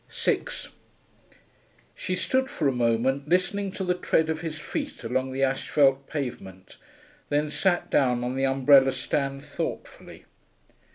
6 She stood for a moment listening to the tread of his feet along the asphalt pavement, then sat down on the umbrella stand thoughtfully.